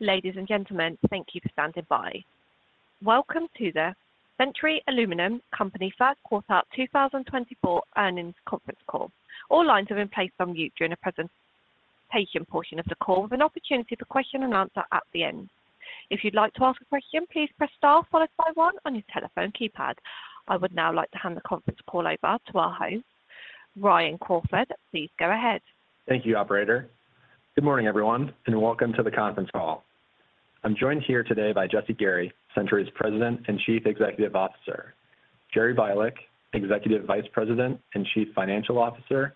Ladies and gentlemen, thank you for standing by. Welcome to the Century Aluminum Company first quarter 2024 earnings conference call. All lines are in place on mute during the presentation portion of the call, with an opportunity for question and answer at the end. If you'd like to ask a question, please press star followed by 1 on your telephone keypad. I would now like to hand the conference call over to our host, Ryan Crawford. Please go ahead. Thank you, Operator. Good morning, everyone, and welcome to the conference call. I'm joined here today by Jesse Gary, Century's President and Chief Executive Officer, Jerry Bialek, Executive Vice President and Chief Financial Officer,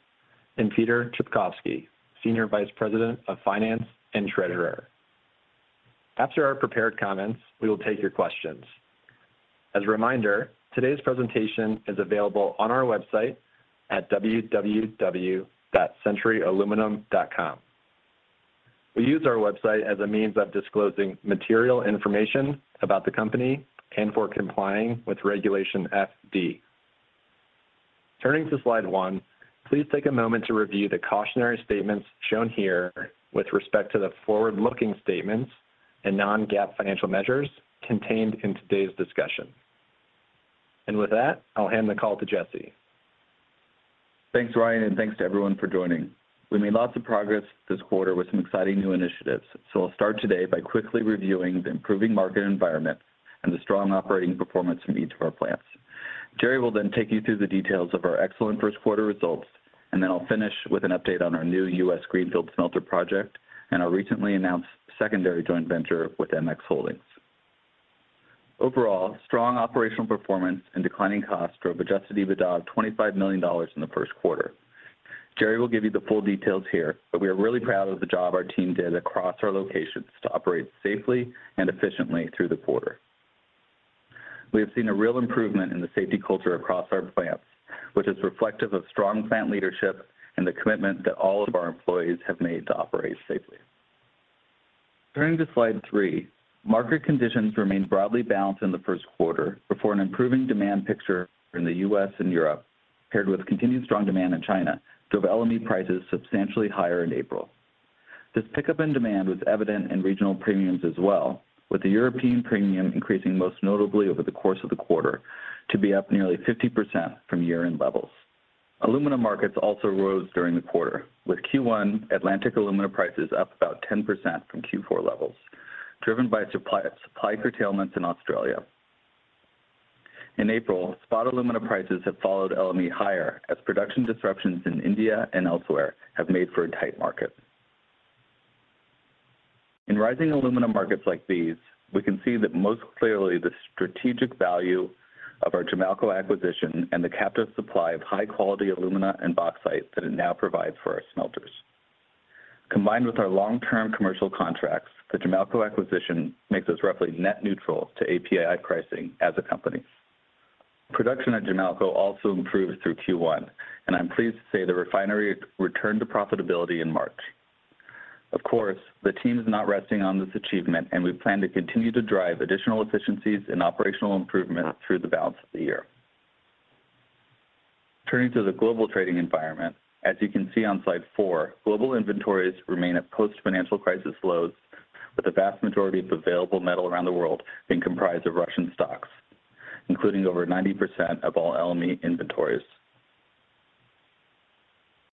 and Peter Trpkovski, Senior Vice President of Finance and Treasurer. After our prepared comments, we will take your questions. As a reminder, today's presentation is available on our website at www.centuryaluminum.com. We use our website as a means of disclosing material information about the company and for complying with Regulation FD. Turning to slide one, please take a moment to review the cautionary statements shown here with respect to the forward-looking statements and non-GAAP financial measures contained in today's discussion. With that, I'll hand the call to Jesse. Thanks, Ryan, and thanks to everyone for joining. We made lots of progress this quarter with some exciting new initiatives, so I'll start today by quickly reviewing the improving market environment and the strong operating performance from each of our plants. Jerry will then take you through the details of our excellent first quarter results, and then I'll finish with an update on our new U.S. greenfield smelter project and our recently announced secondary joint venture with MX Holdings. Overall, strong operational performance and declining costs drove an Adjusted EBITDA $25 million in the first quarter. JJrry will give you the full details here, but we are really proud of the job our team did across our locations to operate safely and efficiently through the quarter. We have seen a real improvement in the safety culture across our plants, which is reflective of strong plant leadership and the commitment that all of our employees have made to operate safely. Turning to slide three, market conditions remained broadly balanced in the first quarter before an improving demand picture in the U.S. and Europe, paired with continued strong demand in China, drove LME prices substantially higher in April. This pickup in demand was evident in regional premiums as well, with the European premium increasing most notably over the course of the quarter to be up nearly 50% from year-end levels. Aluminum markets also rose during the quarter, with Q1 Atlantic aluminum prices up about 10% from Q4 levels, driven by supply curtailments in Australia. In April, spot aluminum prices have followed LME higher as production disruptions in India and elsewhere have made for a tight market. In rising aluminum markets like these, we can see that most clearly the strategic value of our Jamalco acquisition and the captive supply of high-quality aluminum and bauxite that it now provides for our smelters. Combined with our long-term commercial contracts, the Jamalco acquisition makes us roughly net neutral to API pricing as a company. Production at Jamalco also improved through Q1, and I'm pleased to say the refinery returned to profitability in March. Of course, the team is not resting on this achievement, and we plan to continue to drive additional efficiencies and operational improvement through the balance of the year. Turning to the global trading environment, as you can see on slide four global inventories remain at post-financial crisis lows, with the vast majority of available metal around the world being comprised of Russian stocks, including over 90% of all LME inventories.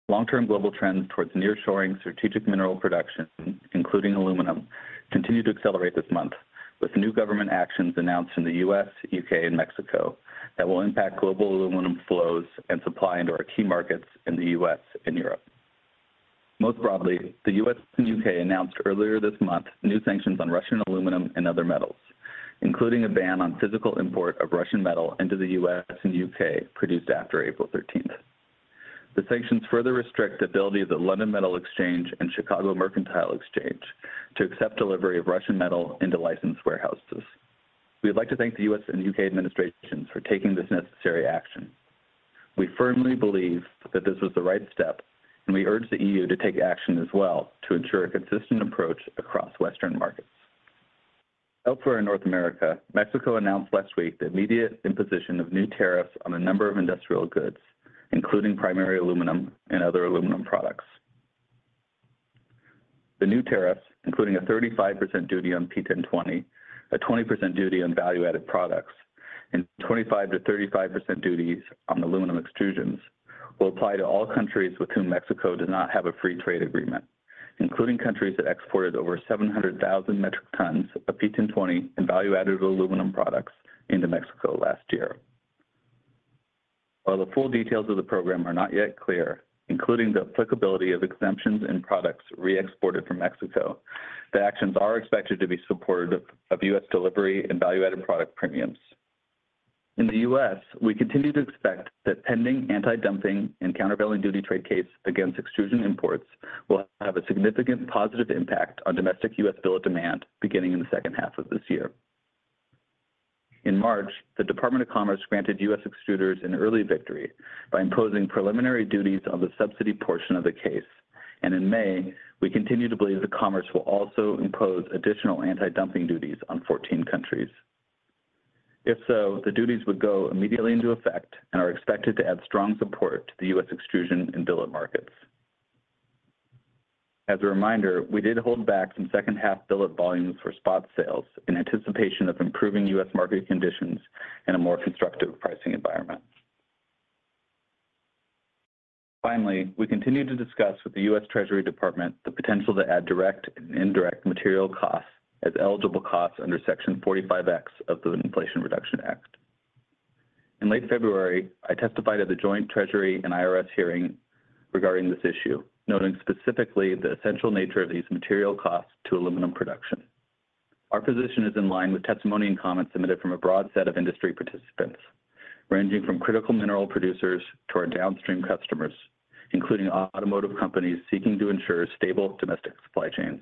Long-term global trends towards nearshoring strategic mineral production, including aluminum, continue to accelerate this month, with new government actions announced in the U.S., U.K., and Mexico that will impact global aluminum flows and supply into our key markets in the U.S. and Europe. Most broadly, the U.S. and U.K. announced earlier this month new sanctions on Russian aluminum and other metals, including a ban on physical import of Russian metal into the U.S. and U.K. produced after April 13th. The sanctions further restrict the ability of the London Metal Exchange and Chicago Mercantile Exchange to accept delivery of Russian metal into licensed warehouses. We'd like to thank the U.S. and U.K. administrations for taking this necessary action. We firmly believe that this was the right step, and we urge the EU to take action as well to ensure a consistent approach across Western markets. Elsewhere in North America, Mexico announced last week the immediate imposition of new tariffs on a number of industrial goods, including primary aluminum and other aluminum products. The new tariffs, including a 35% duty on P1020, a 20% duty on value-added products, and 25%-35% duties on aluminum extrusions, will apply to all countries with whom Mexico does not have a free trade agreement, including countries that exported over 700,000 metric tons of P1020 and value-added aluminum products into Mexico last year. While the full details of the program are not yet clear, including the applicability of exemptions in products re-exported from Mexico, the actions are expected to be supportive of U.S. delivery and value-added product premiums. In the U.S., we continue to expect that pending anti-dumping and countervailing duty trade case against extrusion imports will have a significant positive impact on domestic U.S. Buildup of demand beginning in the second half of this year. In March, the U.S. Department of Commerce granted U.S. extruders an early victory by imposing preliminary duties on the subsidy portion of the case, and in May, we continue to believe the Department of Commerce will also impose additional anti-dumping duties on 14 countries. If so, the duties would go immediately into effect and are expected to add strong support to the U.S. extrusion and billet markets. As a reminder, we did hold back some second-half billet volumes for spot sales in anticipation of improving U.S. market conditions and a more constructive pricing environment. Finally, we continue to discuss with the U.S. Department of the Treasury the potential to add direct and indirect material costs as eligible costs under Section 45X of the Inflation Reduction Act. In late February, I testified at the joint Treasury and IRS hearing regarding this issue, noting specifically the essential nature of these material costs to aluminum production. Our position is in line with testimony and comments submitted from a broad set of industry participants, ranging from critical mineral producers to our downstream customers, including automotive companies seeking to ensure stable domestic supply chains.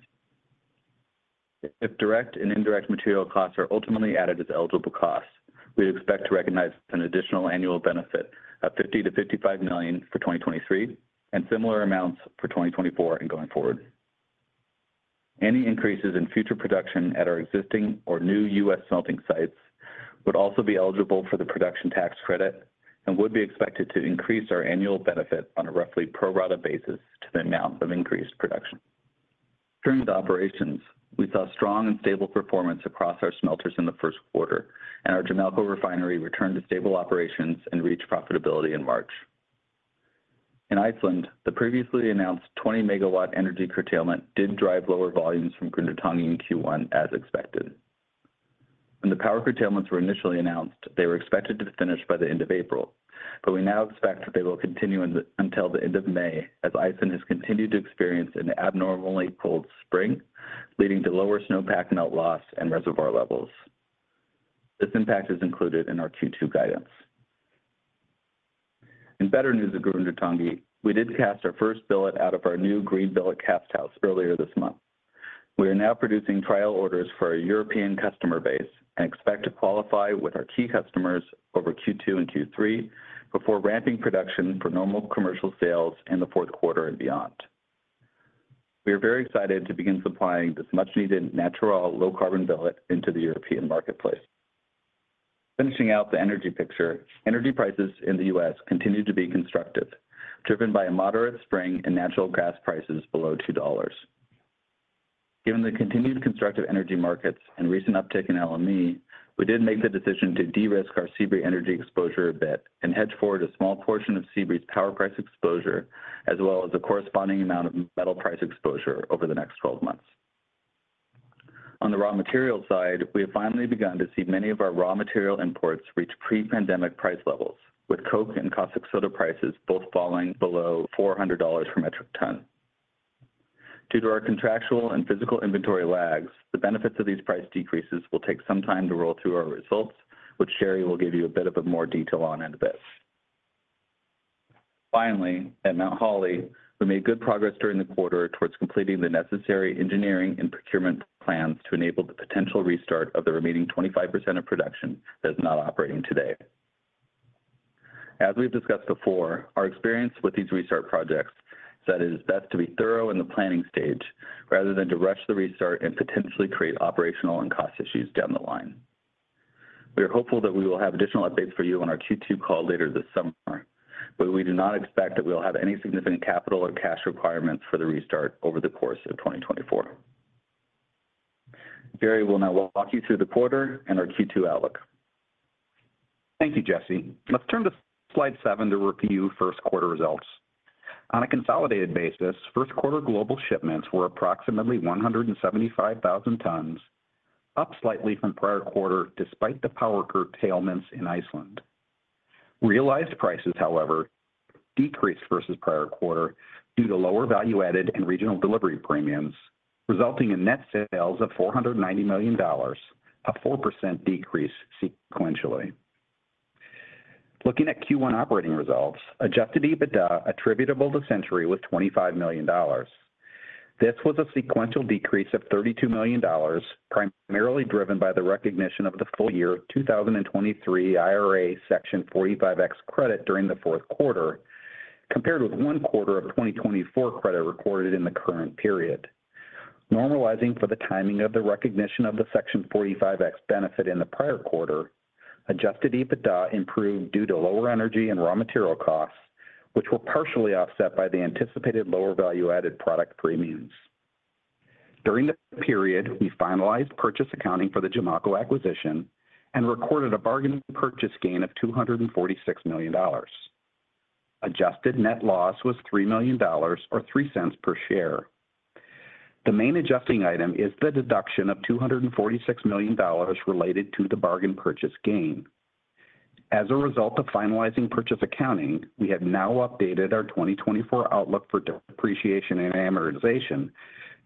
If direct and indirect material costs are ultimately added as eligible costs, we'd expect to recognize an additional annual benefit of $50 million-$55 million for 2023 and similar amounts for 2024 and going forward. Any increases in future production at our existing or new U.S. smelting sites would also be eligible for the production tax credit and would be expected to increase our annual benefit on a roughly pro-rata basis to the amount of increased production. During the operations, we saw strong and stable performance across our smelters in the first quarter, and our Jamalco refinery returned to stable operations and reached profitability in March. In Iceland, the previously announced 20-MW energy curtailment did drive lower volumes from Grundartangi in Q1 as expected. When the power curtailments were initially announced, they were expected to finish by the end of April, but we now expect that they will continue until the end of May as Iceland has continued to experience an abnormally cold spring, leading to lower snowpack melt loss and reservoir levels. This impact is included in our Q2 guidance. In better news at Grundartangi, we did cast our first billet out of our new green billet cast house earlier this month. We are now producing trial orders for our European customer base and expect to qualify with our key customers over Q2 and Q3 before ramping production for normal commercial sales in the fourth quarter and beyond. We are very excited to begin supplying this much-needed natural, low-carbon billet into the European marketplace. Finishing out the energy picture, energy prices in the U.S. continue to be constructive, driven by a moderate surge in natural gas prices below $2. Given the continued constructive energy markets and recent uptick in LME, we did make the decision to de-risk our Sebree energy exposure a bit and hedge forward a small portion of Sebree's power price exposure as well as the corresponding amount of metal price exposure over the next 12 months. On the raw materials side, we have finally begun to see many of our raw material imports reach pre-pandemic price levels, with coke and caustic soda prices both falling below $400 per metric ton. Due to our contractual and physical inventory lags, the benefits of these price decreases will take some time to roll through our results, which Jerry will give you a bit of more detail on in a bit. Finally, at Mount Holly, we made good progress during the quarter towards completing the necessary engineering and procurement plans to enable the potential restart of the remaining 25% of production that is not operating today. As we've discussed before, our experience with these restart projects is that it is best to be thorough in the planning stage rather than to rush the restart and potentially create operational and cost issues down the line. We are hopeful that we will have additional updates for you on our Q2 call later this summer, but we do not expect that we will have any significant capital or cash requirements for the restart over the course of 2024. Jerry will now walk you through the quarter and our Q2 outlook. Thank you, Jesse. Let's turn to slide seven to review first quarter results. On a consolidated basis, first quarter global shipments were approximately 175,000 tons, up slightly from prior quarter despite the power curtailments in Iceland. Realized prices, however, decreased versus prior quarter due to lower value-added and regional delivery premiums, resulting in net sales of $490 million, a 4% decrease sequentially. Looking at Q1 operating results, an Adjusted EBITDA attributable to Century was $25 million. This was a sequential decrease of $32 million, primarily driven by the recognition of the full-year 2023 IRA Section 45X credit during the fourth quarter, compared with one quarter of 2024 credit recorded in the current period. Normalizing for the timing of the recognition of the Section 45X benefit in the prior quarter, Adjusted EBITDA improved due to lower energy and raw material costs, which were partially offset by the anticipated lower value-added product premiums. During this period, we finalized purchase accounting for the Jamalco acquisition and recorded a bargain purchase gain of $246 million. Adjusted net loss was $3 million or $0.03 per share. The main adjusting item is the deduction of $246 million related to the bargain purchase gain. As a result of finalizing purchase accounting, we have now updated our 2024 outlook for depreciation and amortization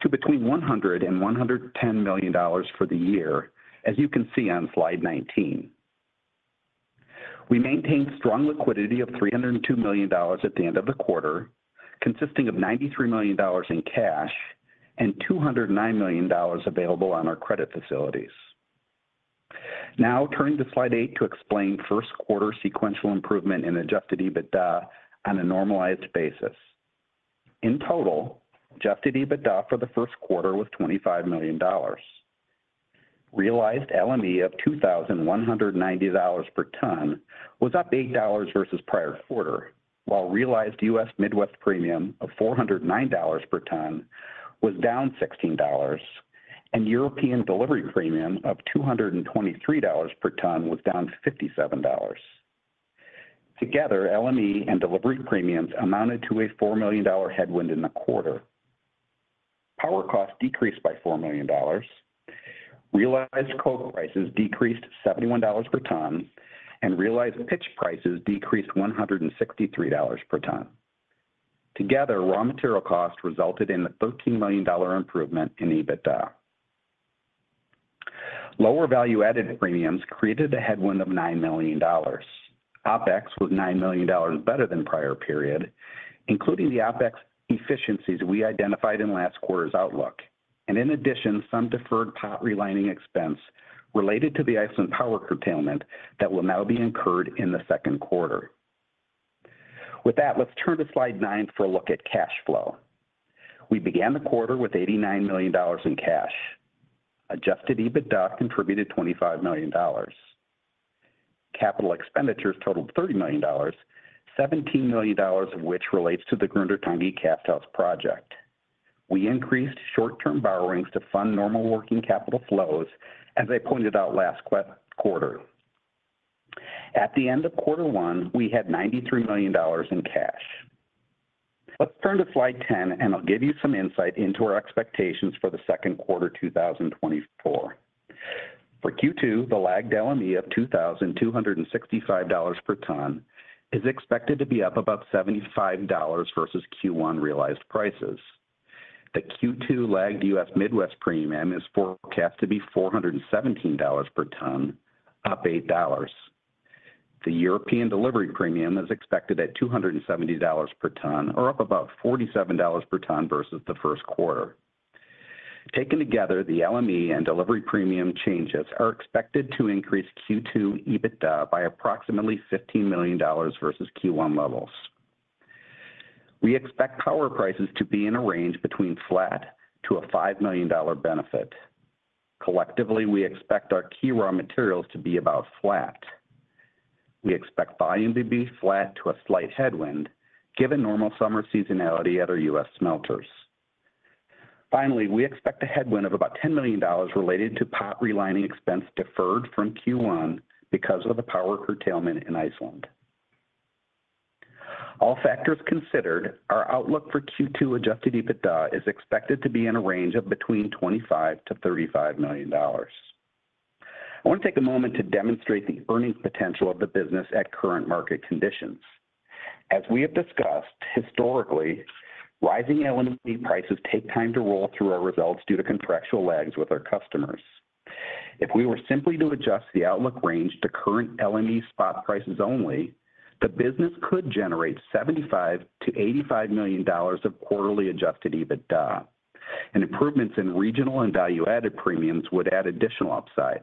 to between $100 million and $110 million for the year, as you can see on slide 19. We maintained strong liquidity of $302 million at the end of the quarter, consisting of $93 million in cash and $209 million available on our credit facilities. Now, turning to slide eight to explain first quarter sequential improvement in Adjusted EBITDA on a normalized basis. In total, Adjusted EBITDA for the first quarter was $25 million. Realized LME of $2,190 per ton was up $8 versus prior quarter, while realized U.S. Midwest premium of $409 per ton was down $16, and European delivery premium of $223 per ton was down $57. Together, LME and delivery premiums amounted to a $4 million headwind in the quarter. Power costs decreased by $4 million. Realized Coke prices decreased $71 per ton, and realized pitch prices decreased $163 per ton. Together, raw material costs resulted in a $13 million improvement in EBITDA. Lower value-added premiums created a headwind of $9 million. OpEx was $9 million better than prior period, including the OpEx efficiencies we identified in last quarter's outlook, and in addition, some deferred pot relining expense related to the Iceland power curtailment that will now be incurred in the second quarter. With that, let's turn to slide 9 for a look at cash flow. We began the quarter with $89 million in cash. Adjusted EBITDA contributed $25 million. Capital expenditures totaled $30 million, $17 million of which relates to the Grundartangi Cast House project. We increased short-term borrowings to fund normal working capital flows, as I pointed out last quarter. At the end of quarter one, we had $93 million in cash. Let's turn to slide 10, and I'll give you some insight into our expectations for the second quarter 2024. For Q2, the lagged LME of $2,265 per ton is expected to be up about $75 versus Q1 realized prices. The Q2 lagged U.S. Midwest premium is forecast to be $417 per ton, up $8. The European delivery premium is expected at $270 per ton, or up about $47 per ton versus the first quarter. Taken together, the LME and delivery premium changes are expected to increase Q2 EBITDA by approximately $15 million versus Q1 levels. We expect power prices to be in a range between flat to a $5 million benefit. Collectively, we expect our key raw materials to be about flat. We expect volume to be flat to a slight headwind, given normal summer seasonality at our U.S. smelters. Finally, we expect a headwind of about $10 million related to pot relining expense deferred from Q1 because of the power curtailment in Iceland. All factors considered, our outlook for Q2 Adjusted EBITDA is expected to be in a range of between $25 million-$35 million. I want to take a moment to demonstrate the earnings potential of the business at current market conditions. As we have discussed, historically, rising LME prices take time to roll through our results due to contractual lags with our customers. If we were simply to adjust the outlook range to current LME spot prices only, the business could generate $75 million-$85 million of quarterly Adjusted EBITDA, and improvements in regional and value-added premiums would add additional upside.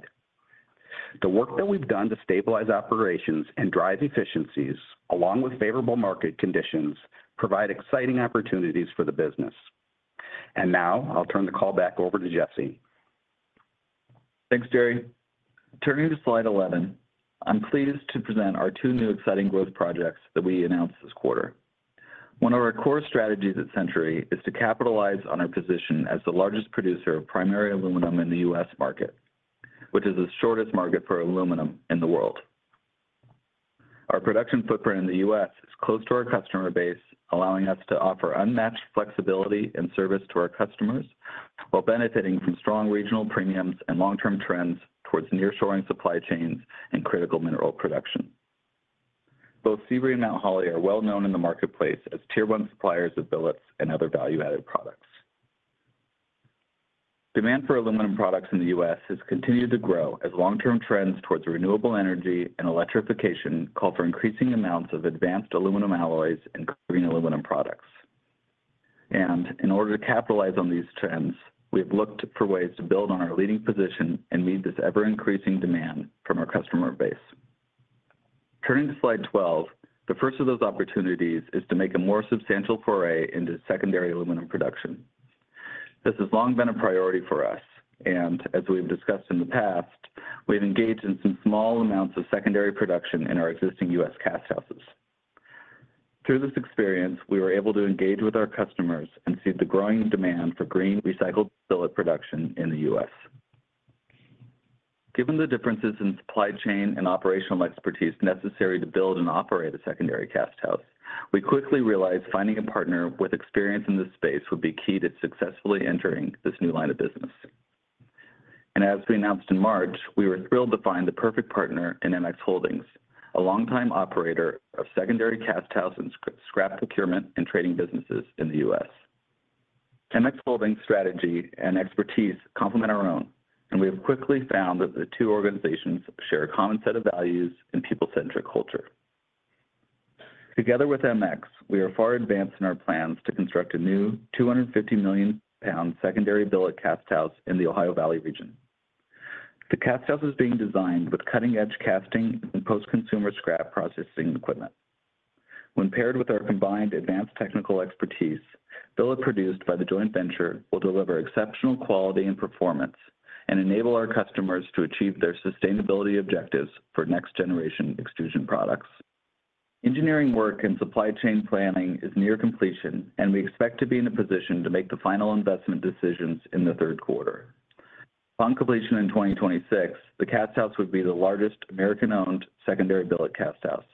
The work that we've done to stabilize operations and drive efficiencies, along with favorable market conditions, provide exciting opportunities for the business. And now, I'll turn the call back over to Jesse. Thanks, Jerry. Turning to slide 11, I'm pleased to present our two new exciting growth projects that we announced this quarter. One of our core strategies at Century is to capitalize on our position as the largest producer of primary aluminum in the U.S. market, which is the shortest market for aluminum in the world. Our production footprint in the U.S. is close to our customer base, allowing us to offer unmatched flexibility and service to our customers while benefiting from strong regional premiums and long-term trends towards nearshoring supply chains and critical mineral production. Both Sebree and Mount Holly are well known in the marketplace as Tier 1 suppliers of billets and other value-added products. Demand for aluminum products in the U.S. has continued to grow as long-term trends towards renewable energy and electrification call for increasing amounts of advanced aluminum alloys and green aluminum products. In order to capitalize on these trends, we have looked for ways to build on our leading position and meet this ever-increasing demand from our customer base. Turning to slide 12, the first of those opportunities is to make a more substantial foray into secondary aluminum production. This has long been a priority for us, and as we have discussed in the past, we have engaged in some small amounts of secondary production in our existing U.S. cast houses. Through this experience, we were able to engage with our customers and see the growing demand for green recycled billet production in the U.S. Given the differences in supply chain and operational expertise necessary to build and operate a secondary cast house, we quickly realized finding a partner with experience in this space would be key to successfully entering this new line of business. As we announced in March, we were thrilled to find the perfect partner in MX Holdings, a longtime operator of secondary cast house and scrap procurement and trading businesses in the U.S. MX Holdings' strategy and expertise complement our own, and we have quickly found that the two organizations share a common set of values and people-centric culture. Together with MX, we are far advanced in our plans to construct a new $250 million secondary billet cast house in the Ohio Valley region. The cast house is being designed with cutting-edge casting and post-consumer scrap processing equipment. When paired with our combined advanced technical expertise, billet produced by the joint venture will deliver exceptional quality and performance and enable our customers to achieve their sustainability objectives for next-generation extrusion products. Engineering work and supply chain planning is near completion, and we expect to be in a position to make the final investment decisions in the third quarter. Upon completion in 2026, the cast house would be the largest American-owned secondary billet cast house.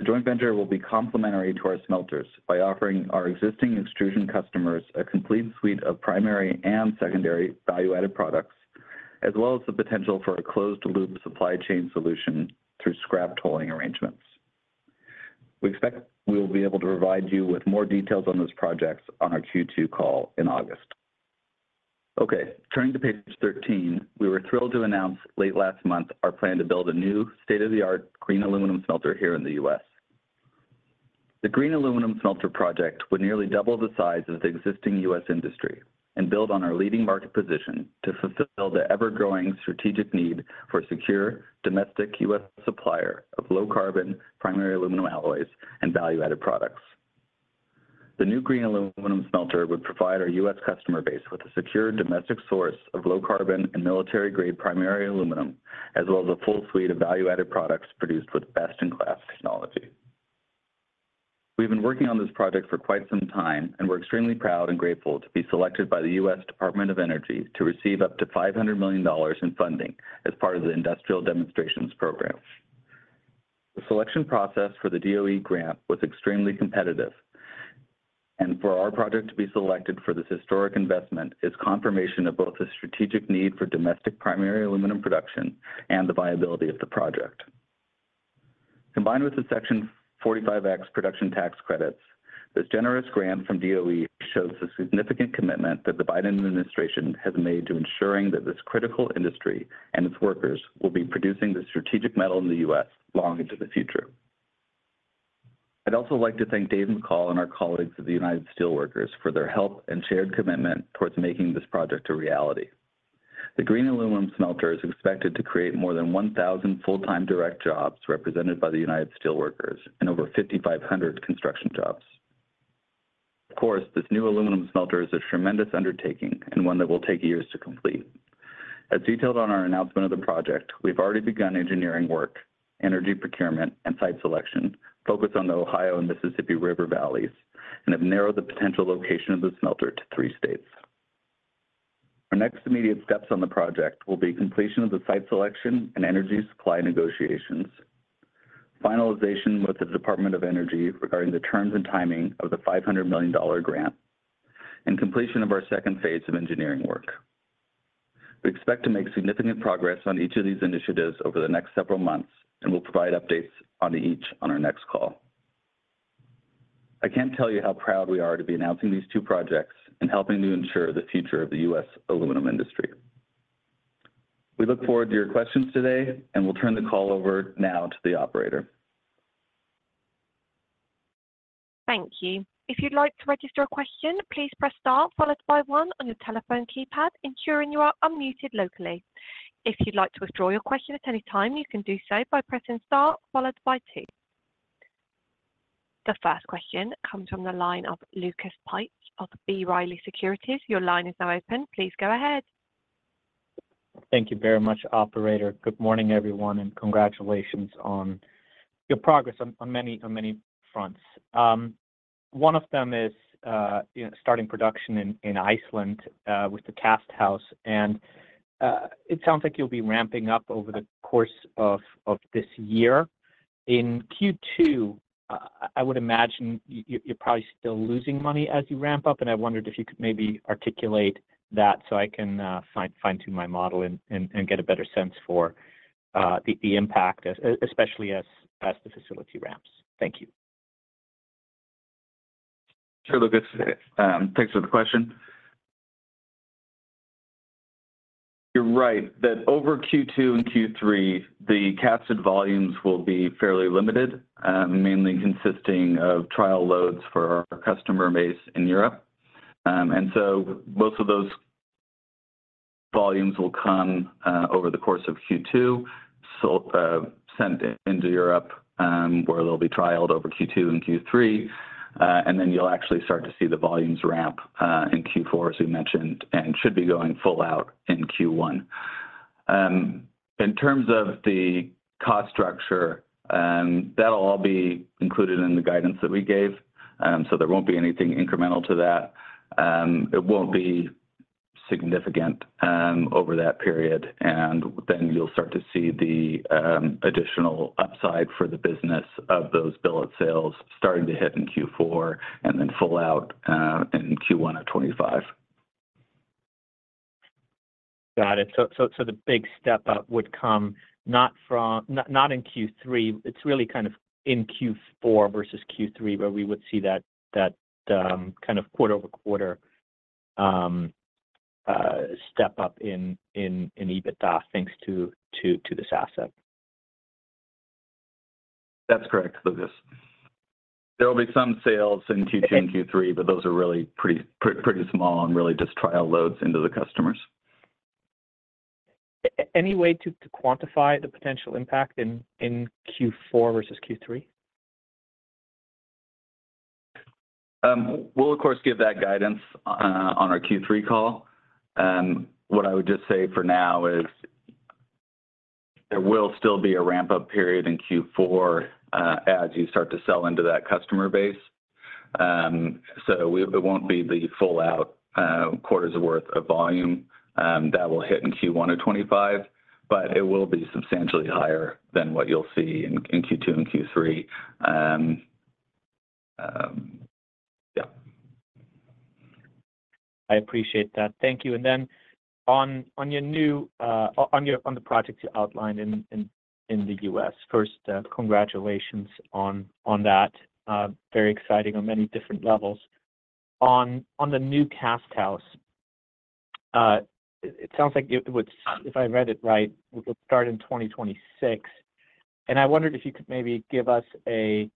The joint venture will be complementary to our smelters by offering our existing extrusion customers a complete suite of primary and secondary value-added products, as well as the potential for a closed-loop supply chain solution through scrap tolling arrangements. We expect we will be able to provide you with more details on those projects on our Q2 call in August. Okay, turning to page 13, we were thrilled to announce late last month our plan to build a new state-of-the-art green aluminum smelter here in the U.S. The green aluminum smelter project would nearly double the size of the existing U.S. Industry and build on our leading market position to fulfill the ever-growing strategic need for a secure domestic U.S. supplier of low-carbon primary aluminum alloys and value-added products. The new green aluminum smelter would provide our U.S. customer base with a secure domestic source of low-carbon and military-grade primary aluminum, as well as a full suite of value-added products produced with best-in-class technology. We've been working on this project for quite some time, and we're extremely proud and grateful to be selected by the U.S. Department of Energy to receive up to $500 million in funding as part of the Industrial Demonstrations Program. The selection process for the DOE grant was extremely competitive. For our project to be selected for this historic investment is confirmation of both the strategic need for domestic primary aluminum production and the viability of the project. Combined with the Section 45X production tax credits, this generous grant from DOE shows the significant commitment that the Biden administration has made to ensuring that this critical industry and its workers will be producing the strategic metal in the U.S. long into the future. I'd also like to thank Dave McCall and our colleagues at the United Steelworkers for their help and shared commitment towards making this project a reality. The green aluminum smelter is expected to create more than 1,000 full-time direct jobs represented by the United Steelworkers and over 5,500 construction jobs. Of course, this new aluminum smelter is a tremendous undertaking and one that will take years to complete. As detailed on our announcement of the project, we've already begun engineering work, energy procurement, and site selection focused on the Ohio and Mississippi River valleys, and have narrowed the potential location of the smelter to three states. Our next immediate steps on the project will be completion of the site selection and energy supply negotiations, finalization with the Department of Energy regarding the terms and timing of the $500 million grant, and completion of our second phase of engineering work. We expect to make significant progress on each of these initiatives over the next several months, and we'll provide updates on each on our next call. I can't tell you how proud we are to be announcing these two projects and helping to ensure the future of the U.S. aluminum industry. We look forward to your questions today, and we'll turn the call over now to the operator. Thank you. If you'd like to register a question, please press star followed by one on your telephone keypad, ensuring you are unmuted locally. If you'd like to withdraw your question at any time, you can do so by pressing star followed by two. The first question comes from the line of Lucas Pipes of B. Riley Securities. Your line is now open. Please go ahead. Thank you very much, Operator. Good morning, everyone, and congratulations on your progress on many fronts. One of them is starting production in Iceland with the cast house, and it sounds like you'll be ramping up over the course of this year. In Q2, I would imagine you're probably still losing money as you ramp up, and I wondered if you could maybe articulate that so I can fine-tune my model and get a better sense for the impact, especially as the facility ramps. Thank you. Sure, Lucas. Thanks for the question. You're right that over Q2 and Q3, the cast volumes will be fairly limited, mainly consisting of trial loads for our customer base in Europe. So most of those volumes will come over the course of Q2, sent into Europe where they'll be trialed over Q2 and Q3, and then you'll actually start to see the volumes ramp in Q4, as we mentioned, and should be going full out in Q1. In terms of the cost structure, that'll all be included in the guidance that we gave, so there won't be anything incremental to that. It won't be significant over that period, and then you'll start to see the additional upside for the business of those billet sales starting to hit in Q4 and then full out in Q1 of 2025. Got it. The big step up would come not in Q3. It's really kind of in Q4 versus Q3 where we would see that kind of quarter-over-quarter step up in EBITDA thanks to this asset. That's correct, Lucas. There will be some sales in Q2 and Q3, but those are really pretty small and really just trial loads into the customers. Any way to quantify the potential impact in Q4 versus Q3? Well, of course, give that guidance on our Q3 call. What I would just say for now is there will still be a ramp-up period in Q4 as you start to sell into that customer base. So it won't be the full-out quarters' worth of volume that will hit in Q1 of 2025, but it will be substantially higher than what you'll see in Q2 and Q3. Yeah. I appreciate that. Thank you. And then on your new projects you outlined in the U.S., first, congratulations on that. Very exciting on many different levels. On the new casthouse, it sounds like it would, if I read it right, start in 2026. And I wondered if you could maybe give us a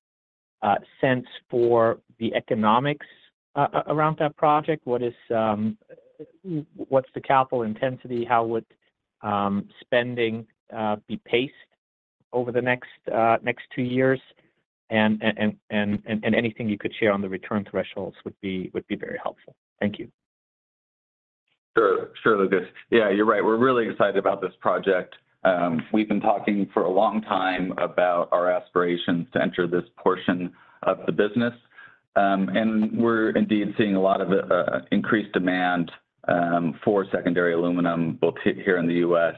sense for the economics around that project. What's the capital intensity? How would spending be paced over the next two years? And anything you could share on the return thresholds would be very helpful. Thank you. Sure, Lucas. Yeah, you're right. We're really excited about this project. We've been talking for a long time about our aspirations to enter this portion of the business, and we're indeed seeing a lot of increased demand for secondary aluminum both here in the U.S.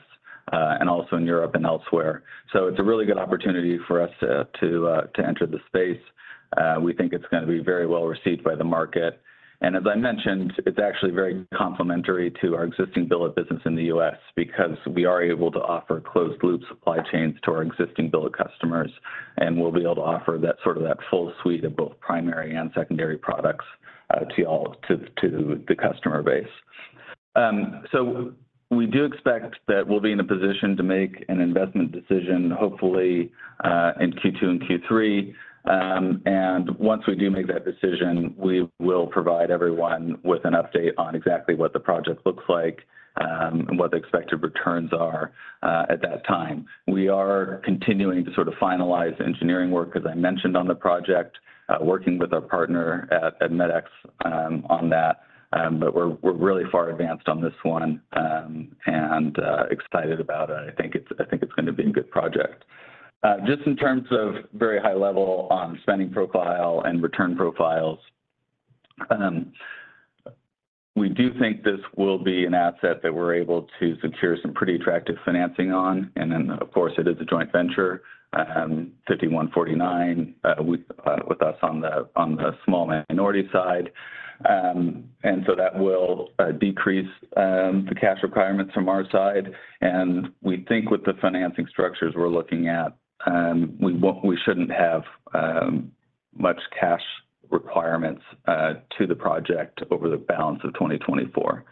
and also in Europe and elsewhere. So it's a really good opportunity for us to enter the space. We think it's going to be very well received by the market. And as I mentioned, it's actually very complementary to our existing billet business in the U.S. because we are able to offer closed-loop supply chains to our existing billet customers, and we'll be able to offer that sort of that full suite of both primary and secondary products to the customer base. So we do expect that we'll be in a position to make an investment decision, hopefully in Q2 and Q3. And once we do make that decision, we will provide everyone with an update on exactly what the project looks like and what the expected returns are at that time. We are continuing to sort of finalize engineering work, as I mentioned, on the project, working with our partner at MX on that, but we're really far advanced on this one and excited about it. I think it's going to be a good project. Just in terms of very high-level on spending profile and return profiles, we do think this will be an asset that we're able to secure some pretty attractive financing on. And then, of course, it is a joint venture, 51-49, with us on the small minority side. And so that will decrease the cash requirements from our side. And we think with the financing structures we're looking at, we shouldn't have much cash requirements to the project over the balance of 2024.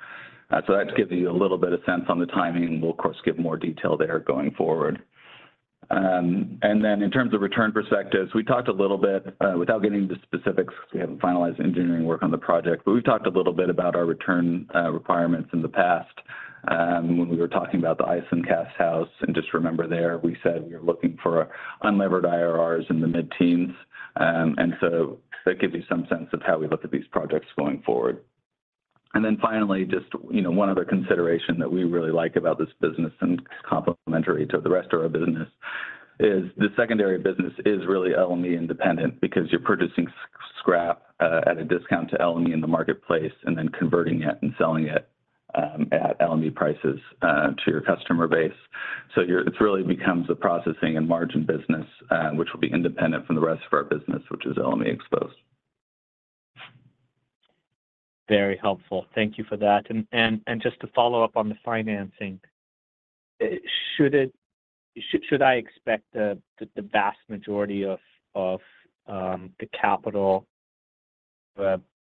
So that gives you a little bit of sense on the timing. We'll, of course, give more detail there going forward. And then in terms of return perspectives, we talked a little bit without getting into specifics because we haven't finalized engineering work on the project, but we've talked a little bit about our return requirements in the past when we were talking about the Iceland Cast House. And just remember there, we said we were looking for unlevered IRRs in the mid-teens. And so that gives you some sense of how we look at these projects going forward. And then finally, just one other consideration that we really like about this business and it's complementary to the rest of our business is the secondary business is really LME independent because you're purchasing scrap at a discount to LME in the marketplace and then converting it and selling it at LME prices to your customer base. So it really becomes a processing and margin business, which will be independent from the rest of our business, which is LME exposed. Very helpful. Thank you for that. Just to follow up on the financing, should I expect the vast majority of the capital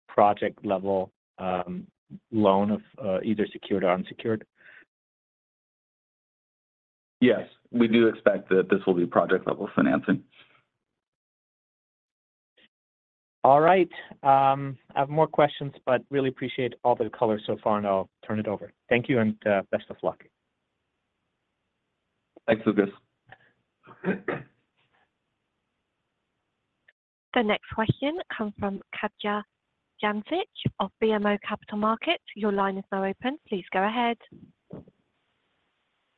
project-level loan of either secured or unsecured? Yes, we do expect that this will be project-level financing. All right. I have more questions, but really appreciate all the color so far, and I'll turn it over. Thank you and best of luck. Thanks, Lucas. The next question comes from Katja Jancic of BMO Capital Markets. Your line is now open. Please go ahead.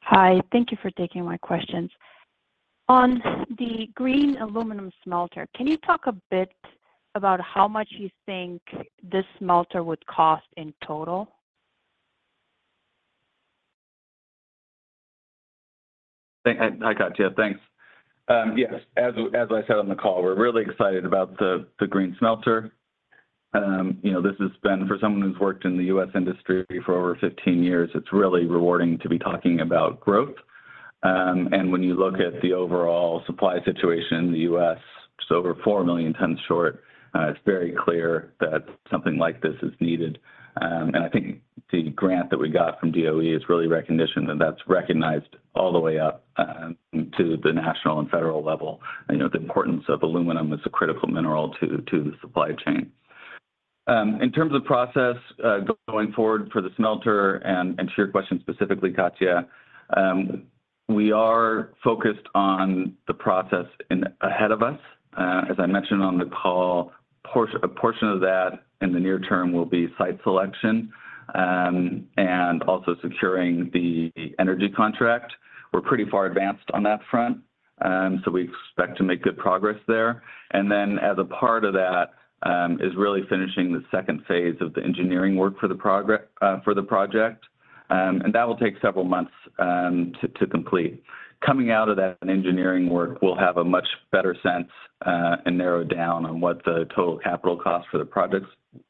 Hi. Thank you for taking my questions. On the green aluminum smelter, can you talk a bit about how much you think this smelter would cost in total? I gotcha. Thanks. Yes. As I said on the call, we're really excited about the green smelter. This has been, for someone who's worked in the U.S. industry for over 15 years, it's really rewarding to be talking about growth. When you look at the overall supply situation in the U.S., just over 4 million tons short, it's very clear that something like this is needed. I think the grant that we got from DOE is really recognition that that's recognized all the way up to the national and federal level, the importance of aluminum as a critical mineral to the supply chain. In terms of process going forward for the smelter and to your question specifically, Katja, we are focused on the process ahead of us. As I mentioned on the call, a portion of that in the near term will be site selection and also securing the energy contract. We're pretty far advanced on that front, so we expect to make good progress there. And then as a part of that is really finishing the second phase of the engineering work for the project, and that will take several months to complete. Coming out of that engineering work, we'll have a much better sense and narrow down on what the total capital cost for the projects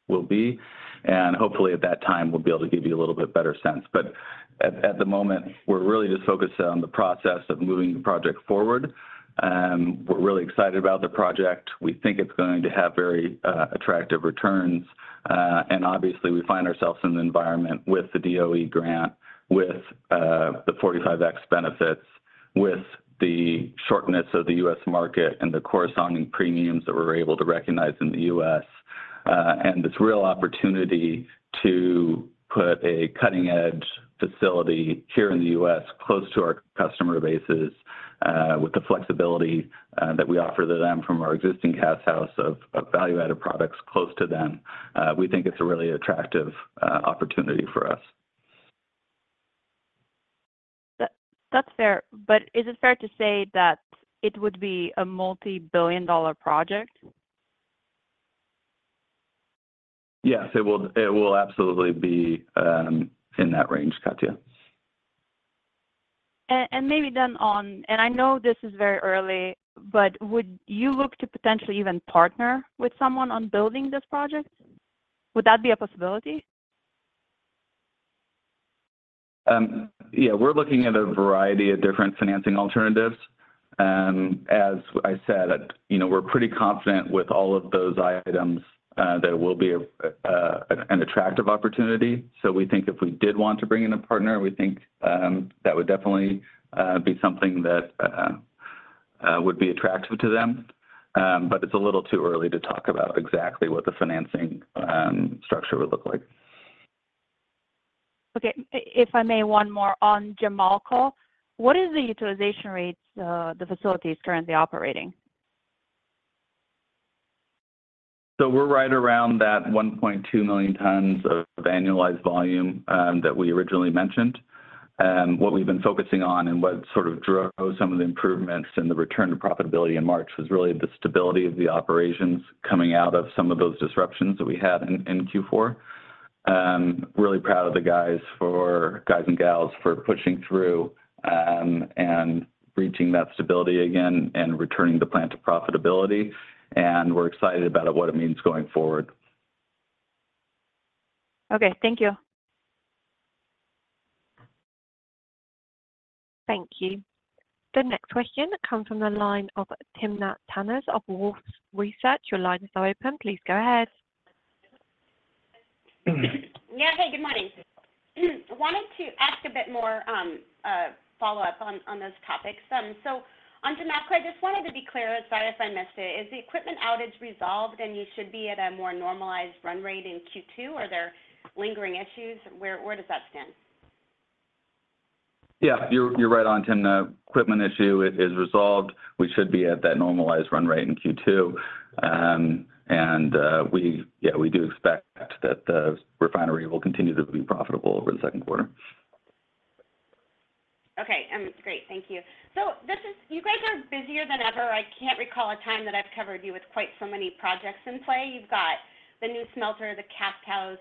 will be. And hopefully, at that time, we'll be able to give you a little bit better sense. But at the moment, we're really just focused on the process of moving the project forward. We're really excited about the project. We think it's going to have very attractive returns. Obviously, we find ourselves in an environment with the DOE grant, with the 45X benefits, with the shortness of the U.S. market and the corresponding premiums that we're able to recognize in the U.S., and this real opportunity to put a cutting-edge facility here in the U.S. close to our customer bases with the flexibility that we offer to them from our existing cast house of value-added products close to them. We think it's a really attractive opportunity for us. That's fair. But is it fair to say that it would be a multi-billion-dollar project? Yes, it will absolutely be in that range, Katja. And maybe then, on the one hand, I know this is very early, but would you look to potentially even partner with someone on building this project? Would that be a possibility? Yeah, we're looking at a variety of different financing alternatives. As I said, we're pretty confident with all of those items that it will be an attractive opportunity. So we think if we did want to bring in a partner, we think that would definitely be something that would be attractive to them. But it's a little too early to talk about exactly what the financing structure would look like. Okay. If I may, one more on Jamalco. What is the utilization rate the facility is currently operating? We're right around that 1.2 million tons of annualized volume that we originally mentioned. What we've been focusing on and what sort of drove some of the improvements and the return to profitability in March was really the stability of the operations coming out of some of those disruptions that we had in Q4. Really proud of the guys and gals for pushing through and reaching that stability again and returning the plant to profitability. We're excited about what it means going forward. Okay. Thank you. Thank you. The next question comes from the line of Timna Tanners of Wolfe Research. Your line is now open. Please go ahead. Yeah. Hey, good morning. I wanted to ask a bit more follow-up on those topics. So on Jamalco, I just wanted to be clear, sorry if I missed it. Is the equipment outage resolved, and you should be at a more normalized run rate in Q2? Are there lingering issues? Where does that stand? Yeah, you're right on, Timna. The equipment issue is resolved. We should be at that normalized run rate in Q2. And yeah, we do expect that the refinery will continue to be profitable over the second quarter. Okay. Great. Thank you. So you guys are busier than ever. I can't recall a time that I've covered you with quite so many projects in play. You've got the new smelter, the cast house,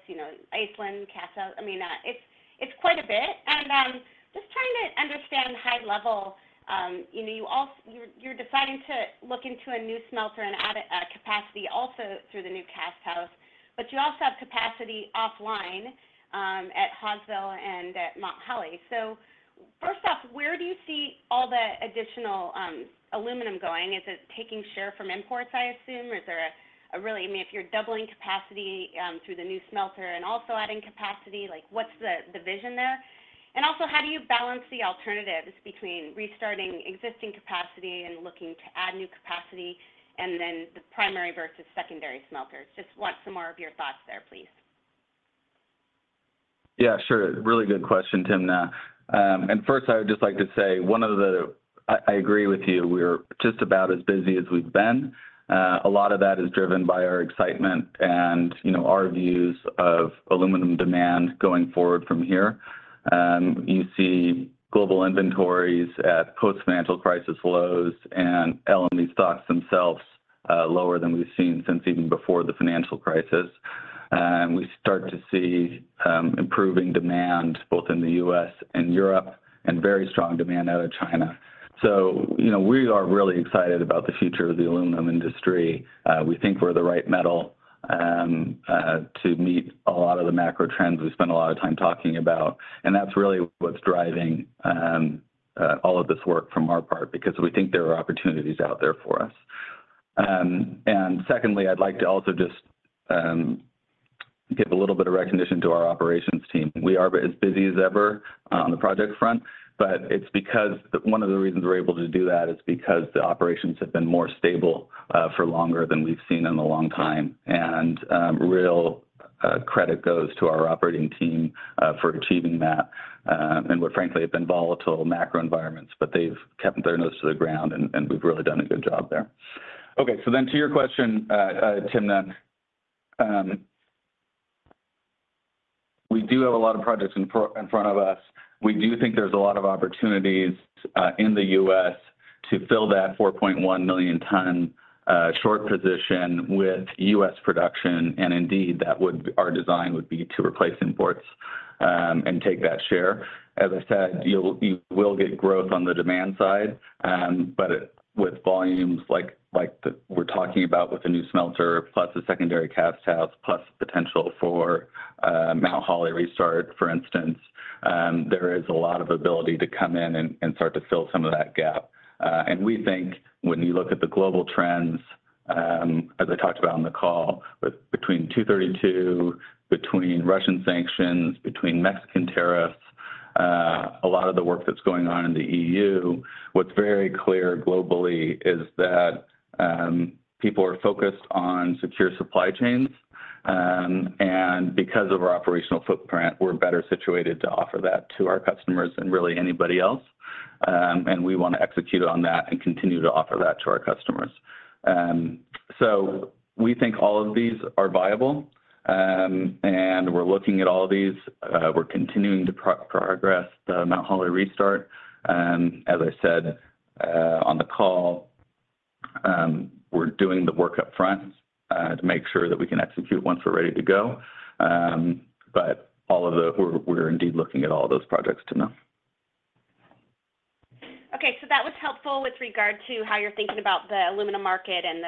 Iceland cast house. I mean, it's quite a bit. And just trying to understand high-level, you're deciding to look into a new smelter and add a capacity also through the new cast house, but you also have capacity offline at Hawesville and at Mount Holly. So first off, where do you see all the additional aluminum going? Is it taking share from imports, I assume? Is there a really I mean, if you're doubling capacity through the new smelter and also adding capacity, what's the vision there? And also, how do you balance the alternatives between restarting existing capacity and looking to add new capacity and then the primary versus secondary smelters? Just want some more of your thoughts there, please. Yeah, sure. Really good question, Timna. And first, I would just like to say, one thing, I agree with you. We're just about as busy as we've been. A lot of that is driven by our excitement and our views of aluminum demand going forward from here. You see global inventories at post-financial crisis lows and LME stocks themselves lower than we've seen since even before the financial crisis. We start to see improving demand both in the U.S. and Europe and very strong demand out of China. So we are really excited about the future of the aluminum industry. We think we're the right metal to meet a lot of the macro trends we spend a lot of time talking about. And that's really what's driving all of this work from our part because we think there are opportunities out there for us. And secondly, I'd like to also just give a little bit of recognition to our operations team. We are as busy as ever on the project front, but it's because one of the reasons we're able to do that is because the operations have been more stable for longer than we've seen in a long time. And real credit goes to our operating team for achieving that in what, frankly, have been volatile macro environments, but they've kept their nose to the ground, and we've really done a good job there. Okay. So then to your question, Timna Tanners, we do have a lot of projects in front of us. We do think there's a lot of opportunities in the U.S. to fill that 4.1-million-ton short position with U.S. production. And indeed, that would our design would be to replace imports and take that share. As I said, you will get growth on the demand side, but with volumes like we're talking about with the new smelter plus the secondary cast house plus the potential for Mount Holly restart, for instance, there is a lot of ability to come in and start to fill some of that gap. We think when you look at the global trends, as I talked about on the call, between 232, between Russian sanctions, between Mexican tariffs, a lot of the work that's going on in the EU, what's very clear globally is that people are focused on secure supply chains. Because of our operational footprint, we're better situated to offer that to our customers than really anybody else. We want to execute on that and continue to offer that to our customers. So we think all of these are viable, and we're looking at all of these. We're continuing to progress the Mount Holly restart. As I said on the call, we're doing the work upfront to make sure that we can execute once we're ready to go. But we're indeed looking at all of those projects, Timna. Okay. So that was helpful with regard to how you're thinking about the aluminum market and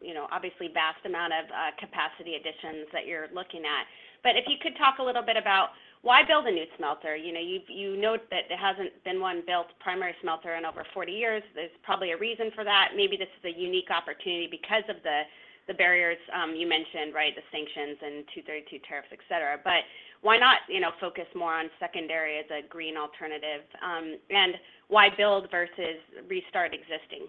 the obviously vast amount of capacity additions that you're looking at. But if you could talk a little bit about why build a new smelter? You know that there hasn't been one built primary smelter in over 40 years. There's probably a reason for that. Maybe this is a unique opportunity because of the barriers you mentioned, right, the sanctions and 232 tariffs, etc. But why not focus more on secondary as a green alternative? And why build versus restart existing?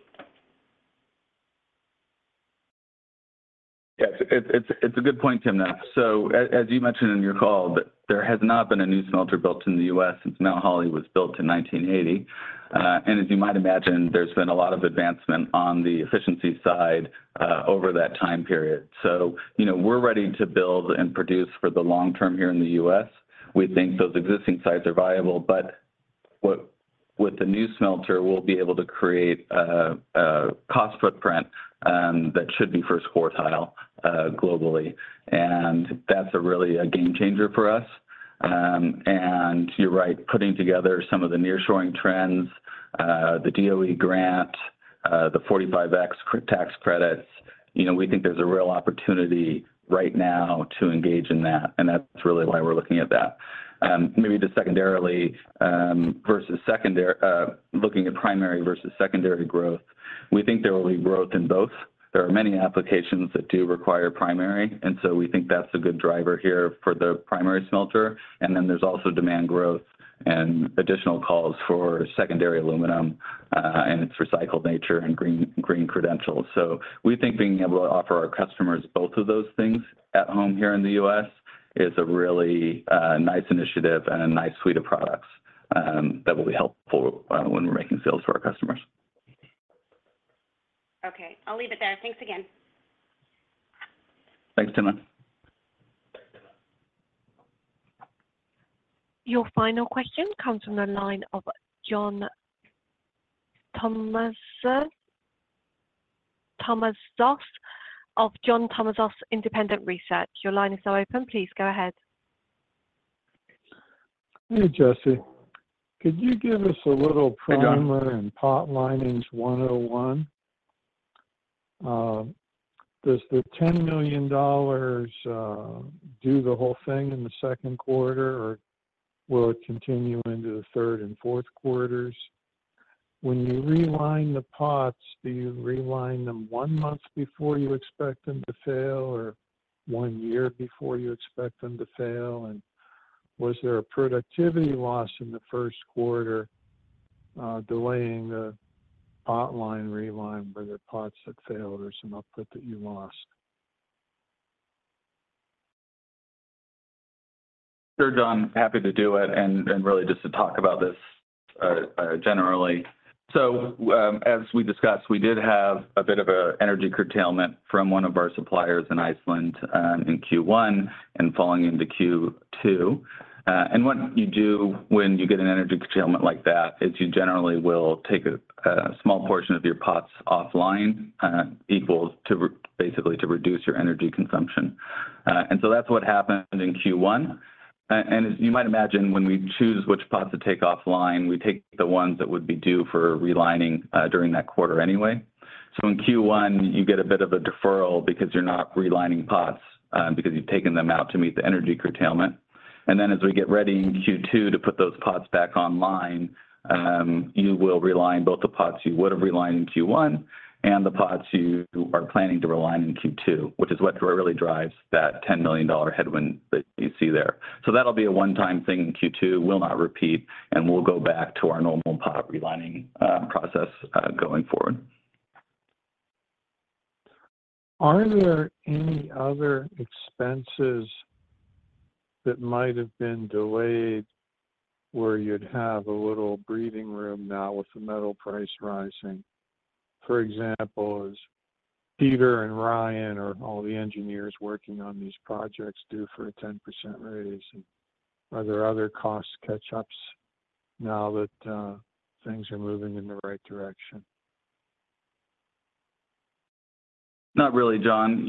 Yeah, it's a good point, Timna, so as you mentioned in your call, there has not been a new smelter built in the U.S. since Mount Holly was built in 1980. And as you might imagine, there's been a lot of advancement on the efficiency side over that time period. So we're ready to build and produce for the long term here in the U.S. We think those existing sites are viable, but with the new smelter, we'll be able to create a cost footprint that should be first quartile globally. And that's really a game changer for us. And you're right, putting together some of the nearshoring trends, the DOE grant, the 45X tax credits, we think there's a real opportunity right now to engage in that. And that's really why we're looking at that. Maybe just secondarily versus looking at primary versus secondary growth, we think there will be growth in both. There are many applications that do require primary, and so we think that's a good driver here for the primary smelter. And then there's also demand growth and additional calls for secondary aluminum and its recycled nature and green credentials. So we think being able to offer our customers both of those things at home here in the U.S. is a really nice initiative and a nice suite of products that will be helpful when we're making sales to our customers. Okay. I'll leave it there. Thanks again. Thanks, Timna Tanners. Your final question comes from the line of John Tumazos of John Tumazos Independent Research. Your line is now open. Please go ahead. Hey, Jesse. Could you give us a little primer and pot relining 101? Does the $10 million do the whole thing in the second quarter, or will it continue into the third and fourth quarters? When you reline the pots, do you reline them one month before you expect them to fail or one year before you expect them to fail? And was there a productivity loss in the first quarter delaying the pot relining where the pots that failed or some output that you lost? Sure, John. Happy to do it and really just to talk about this generally. So as we discussed, we did have a bit of an energy curtailment from one of our suppliers in Iceland in Q1 and falling into Q2. And what you do when you get an energy curtailment like that is you generally will take a small portion of your pots offline basically to reduce your energy consumption. And so that's what happened in Q1. And as you might imagine, when we choose which pots to take offline, we take the ones that would be due for relining during that quarter anyway. So in Q1, you get a bit of a deferral because you're not relining pots because you've taken them out to meet the energy curtailment. And then as we get ready in Q2 to put those pots back online, you will reline both the pots you would have relined in Q1 and the pots you are planning to reline in Q2, which is what really drives that $10 million headwind that you see there. So that'll be a one-time thing in Q2, will not repeat, and we'll go back to our normal pot relining process going forward. Are there any other expenses that might have been delayed where you'd have a little breathing room now with the metal price rising? For example, is Peter and Ryan or all the engineers working on these projects due for a 10% raise? Are there other cost catch-ups now that things are moving in the right direction? Not really, John.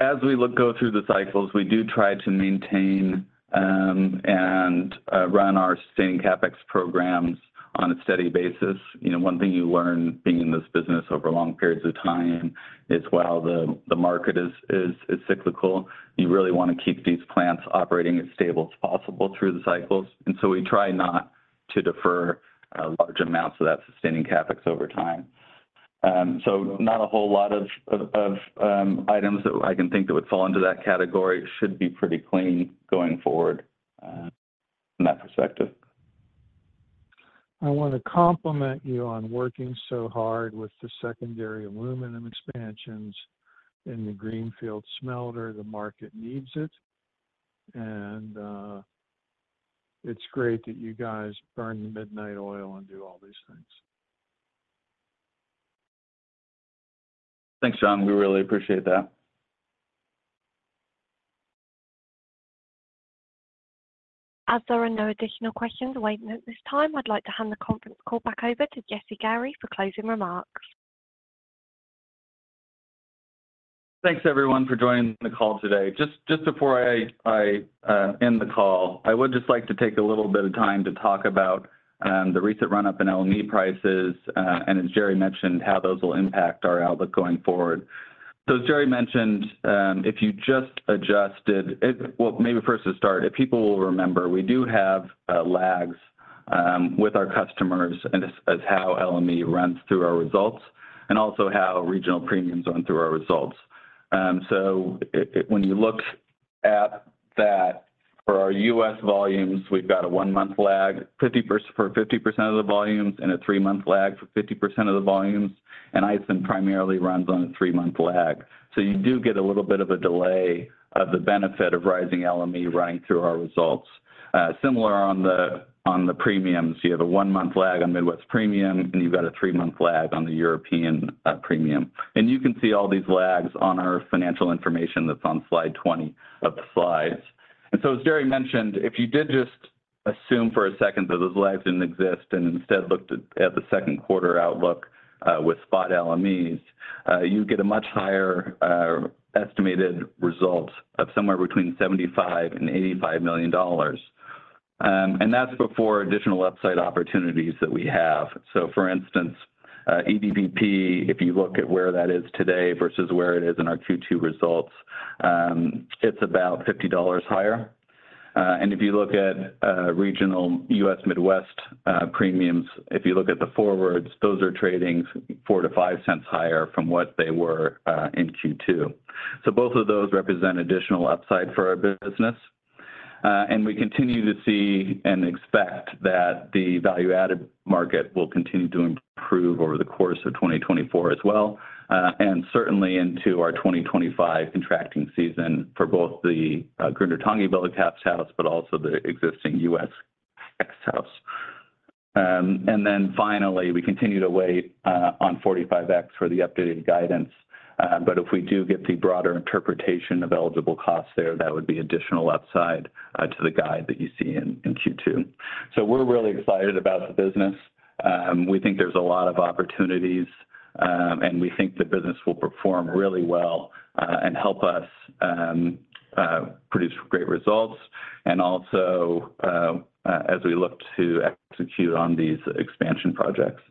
As we go through the cycles, we do try to maintain and run our sustaining CapEx programs on a steady basis. One thing you learn being in this business over long periods of time is while the market is cyclical, you really want to keep these plants operating as stable as possible through the cycles. And so we try not to defer large amounts of that sustaining CapEx over time. So not a whole lot of items that I can think that would fall into that category should be pretty clean going forward from that perspective. I want to compliment you on working so hard with the secondary aluminum expansions in the greenfield smelter. The market needs it. It's great that you guys burn the midnight oil and do all these things. Thanks, John. We really appreciate that. As there are no additional questions waiting at this time, I'd like to hand the conference call back over to Jesse Gary for closing remarks. Thanks, everyone, for joining the call today. Just before I end the call, I would just like to take a little bit of time to talk about the recent run-up in LME prices, and as Jerry mentioned, how those will impact our outlook going forward. So as Jerry mentioned, if you just adjusted well, maybe first to start, if people will remember, we do have lags with our customers as how LME runs through our results and also how regional premiums run through our results. So when you look at that, for our U.S. volumes, we've got a one-month lag for 50% of the volumes and a three-month lag for 50% of the volumes. And Iceland primarily runs on a three-month lag. So you do get a little bit of a delay of the benefit of rising LME running through our results. Similar on the premiums, you have a one-month lag on Midwest Premium, and you've got a three-month lag on the European Premium. You can see all these lags on our financial information that's on slide 20 of the slides. So as Jerry mentioned, if you did just assume for a second that those lags didn't exist and instead looked at the second quarter outlook with spot LMEs, you'd get a much higher estimated result of somewhere between $75 million-$85 million. That's before additional upside opportunities that we have. For instance, EDP, if you look at where that is today versus where it is in our Q2 results, it's about $50 higher. If you look at regional U.S. Midwest premiums, if you look at the forwards, those are trading $0.04-$0.05 higher from what they were in Q2. So both of those represent additional upside for our business. And we continue to see and expect that the value-added market will continue to improve over the course of 2024 as well and certainly into our 2025 contracting season for both the Grundartangi billet cast house but also the existing U.S. cast house. And then finally, we continue to wait on 45X for the updated guidance. But if we do get the broader interpretation of eligible costs there, that would be additional upside to the guide that you see in Q2. So we're really excited about the business. We think there's a lot of opportunities, and we think the business will perform really well and help us produce great results and also as we look to execute on these expansion projects.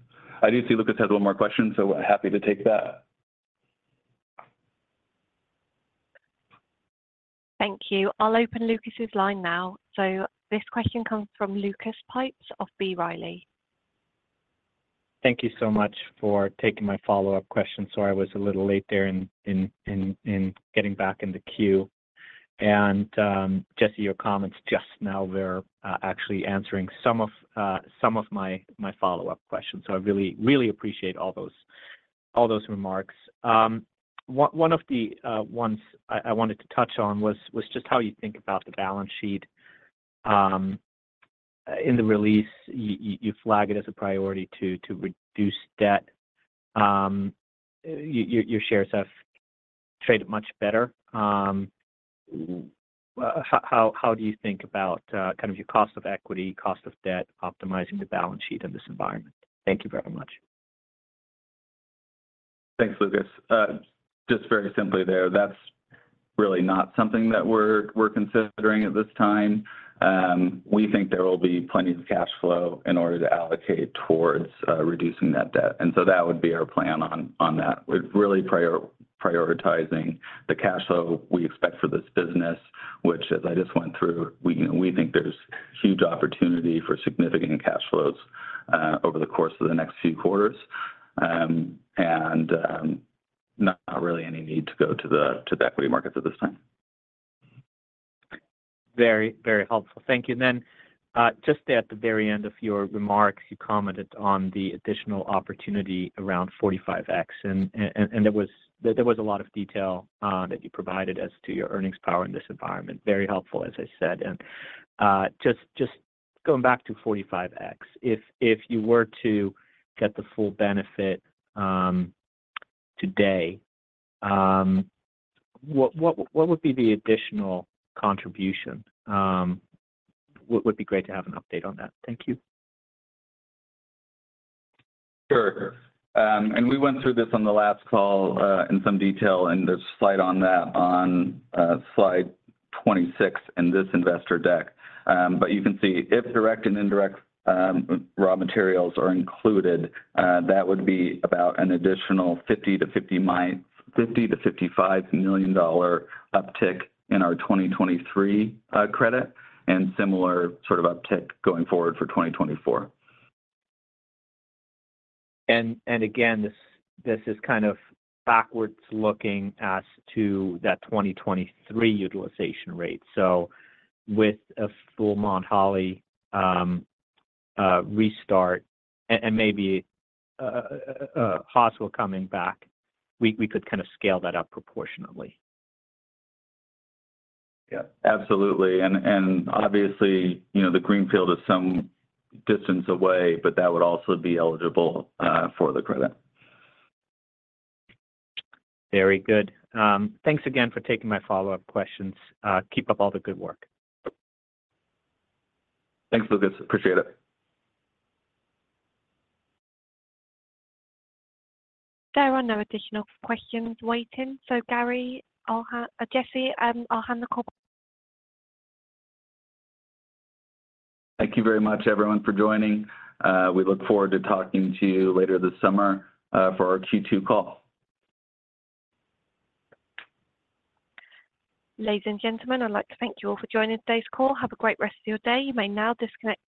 I do see Lucas has one more question, so happy to take that. Thank you. I'll open Lucas's line now. So this question comes from Lucas Pipes of B. Riley. Thank you so much for taking my follow-up question. Sorry, I was a little late there in getting back in the queue. Jesse, your comments just now, they're actually answering some of my follow-up questions. I really, really appreciate all those remarks. One of the ones I wanted to touch on was just how you think about the balance sheet. In the release, you flag it as a priority to reduce debt. Your shares have traded much better. How do you think about kind of your cost of equity, cost of debt, optimizing the balance sheet in this environment? Thank you very much. Thanks, Lucas. Just very simply there, that's really not something that we're considering at this time. We think there will be plenty of cash flow in order to allocate towards reducing that debt. And so that would be our plan on that, really prioritizing the cash flow we expect for this business, which, as I just went through, we think there's huge opportunity for significant cash flows over the course of the next few quarters and not really any need to go to the equity markets at this time. Very, very helpful. Thank you. And then just there at the very end of your remarks, you commented on the additional opportunity around 45X, and there was a lot of detail that you provided as to your earnings power in this environment. Very helpful, as I said. And just going back to 45X, if you were to get the full benefit today, what would be the additional contribution? It would be great to have an update on that. Thank you. Sure. And we went through this on the last call in some detail, and there's a slide on that on slide 26 in this investor deck. But you can see if direct and indirect raw materials are included, that would be about an additional $50 million-$55 million uptick in our 2023 credit and similar sort of uptick going forward for 2024. Again, this is kind of backwards looking as to that 2023 utilization rate. With a full Mount Holly restart and maybe Hawesville coming back, we could kind of scale that up proportionately. Yeah, absolutely. Obviously, the greenfield is some distance away, but that would also be eligible for the credit. Very good. Thanks again for taking my follow-up questions. Keep up all the good work. Thanks, Lucas. Appreciate it. There are no additional questions waiting. So Jesse, I'll hand the call. Thank you very much, everyone, for joining. We look forward to talking to you later this summer for our Q2 call. Ladies and gentlemen, I'd like to thank you all for joining today's call. Have a great rest of your day. You may now disconnect.